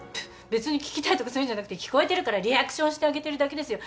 別に聞きたいとかそういうんじゃなくて聞こえてるからリアクションしてあげてるだけですよ。